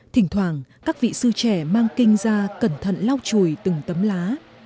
thỉnh thoảng các vị sư trẻ mang kinh ra cẩn thận lau chùi từng tấm lá